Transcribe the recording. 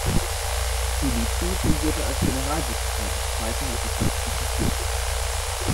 Felici fungierte als Generalsekretär des Zweiten Vatikanischen Konzils.